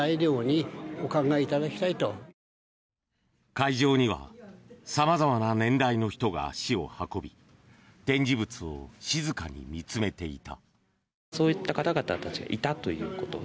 会場には様々な年代の人が足を運び展示物を静かに見つめていた。